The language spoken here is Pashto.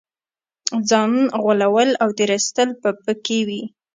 ځان غولول او تېر ایستل به په کې وي.